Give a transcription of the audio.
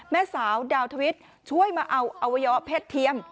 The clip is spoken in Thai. แม่สาวดาวทวิทย์ช่วยมาเอาอวัยวะเพศเทียม